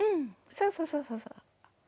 そうそうそうそうそう。